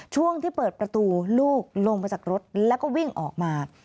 ช่วงที่เปิดประตูลูกลงมาจากรถแล้วก็วิ่งออกมา